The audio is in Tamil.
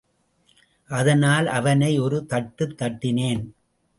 அதனால் அவனை ஒரு தட்டு தட்டினேன்.